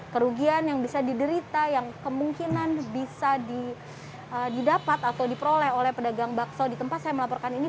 kerugian yang bisa diderita yang kemungkinan bisa didapat atau diperoleh oleh pedagang bakso di tempat saya melaporkan ini